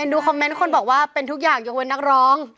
ดูคอมเมนต์คนบอกว่าเป็นทุกอย่างยกเว้นนักร้อง